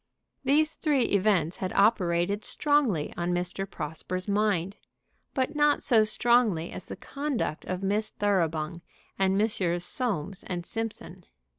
These three events had operated strongly on Mr. Prosper's mind; but not so strongly as the conduct of Miss Thoroughbung and Messrs. Soames & Simpson.